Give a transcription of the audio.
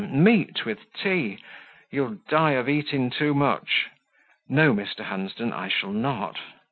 Meat with tea! you'll die of eating too much." "No, Mr. Hunsden, I shall not."